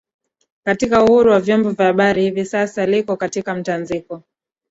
katika uhuru wa vyombo vya habari hivi sasa liko katika mtanziko